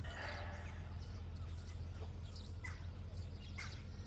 ما یوه جمله چې مفهوم ېې درلود په دري ځلې دلته زیاته کړه!